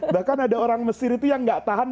bahkan ada orang mesir itu yang gak tahan